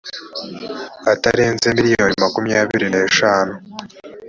atarenze miliyoni makumyabiri n eshanu